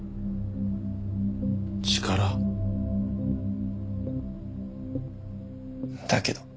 力？だけど。